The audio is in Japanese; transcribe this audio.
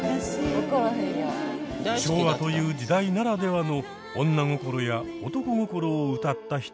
昭和という時代ならではの女心や男心を歌ったヒットソングの数々。